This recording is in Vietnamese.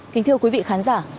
kính thưa quý vị khán giả